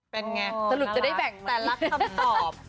เป็นไงสรุปจะได้แบ่งแต่ละคำตอบ